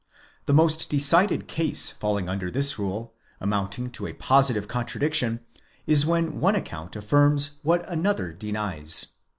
The most decided case falling under this rule, amounting to a positive con tradiction, is when one account affirms what another denies.